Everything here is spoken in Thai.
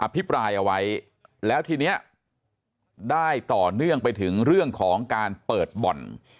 พิปรายเอาไว้แล้วทีนี้ได้ต่อเนื่องไปถึงเรื่องของการเปิดบ่อน